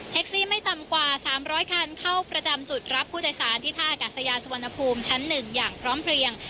ซี่ไม่ต่ำกว่า๓๐๐คันเข้าประจำจุดรับผู้โดยสารที่ท่าอากาศยานสุวรรณภูมิชั้น๑อย่างพร้อมเพลียง